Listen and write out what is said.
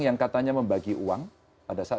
yang katanya membagi uang pada saat